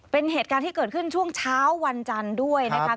เป็นเหตุการณ์ที่เกิดขึ้นช่วงเช้าวันจันทร์ด้วยนะคะ